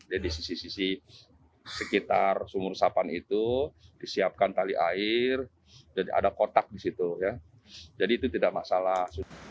jadi di sisi sisi sekitar sumur resapan itu disiapkan tali air dan ada kotak di situ ya jadi itu tidak masalah